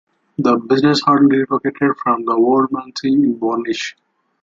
The business had relocated from the old manse in Bornish.